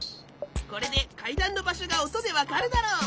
これでかいだんのばしょがおとでわかるだろう！